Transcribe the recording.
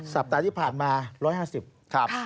สัปดาห์ที่ผ่านมา๑๕๐ครับ